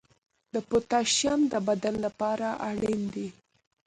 د پوتاشیم د بدن لپاره اړین دی.